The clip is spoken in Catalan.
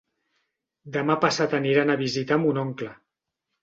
Demà passat aniran a visitar mon oncle.